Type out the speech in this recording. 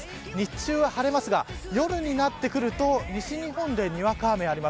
日中は晴れますが夜になってくると西日本で、にわか雨あります。